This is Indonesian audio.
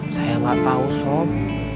saya gak tau sob